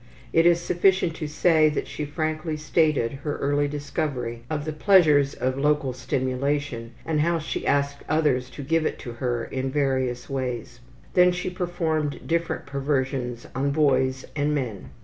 It is sufficient to say that she frankly stated her early discovery of the pleasures of local stimulation and how she asked others to give it to her in various ways. Then she performed different perversions on boys and men.